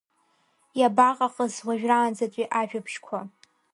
Иабаҟахыз уажәраанӡатәи ажәабжьқәа…